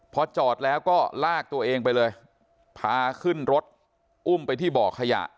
พอจอดแล้วก็ลากตัวเองไปเลยพาขึ้นรถอุ้มไปที่บ่อขยะ